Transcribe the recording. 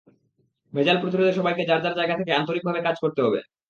ভেজাল প্রতিরোধে সবাইকে যার যার জায়গা থেকে আন্তরিকভাবে কাজ করতে হবে।